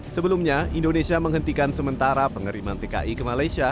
sebelumnya indonesia menghentikan sementara pengeriman tki ke malaysia